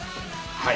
はい。